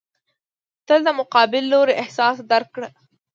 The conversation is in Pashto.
تل د مقابل لوري احساس درک کړه.